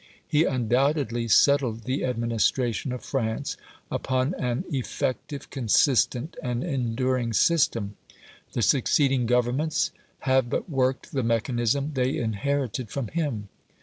He undoubtedly settled the administration of France upon an effective, consistent, and enduring system; the succeeding governments have but worked the mechanism they inherited from him.